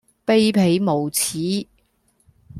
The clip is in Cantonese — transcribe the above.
卑鄙無恥